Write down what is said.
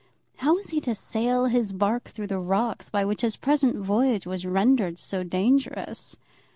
How was he to sail his bark through the rocks by which his present voyage was rendered so dangerous?